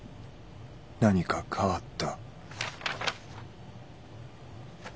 何か変わった。